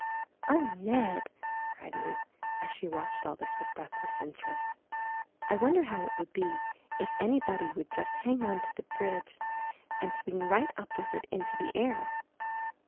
*'0h, Ned," cried Ruth, as she watched all this with breathless interest, '1 wonder how it would be if anybody would just hang on to the bridge and swing right up with it into the air?''